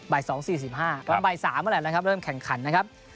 บ่าย๒๔๕แล้วบ่าย๓๐๐เวลานะครับเริ่มแข่งขันนะครับ